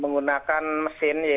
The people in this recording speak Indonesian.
menggunakan air yang ada di dalam lubang